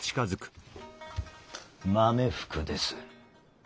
豆福です。